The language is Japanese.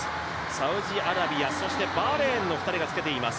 サウジアラビア、そしてバーレーンの２人がつけています。